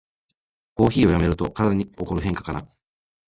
コーヒーをやめると体に起こる変化かな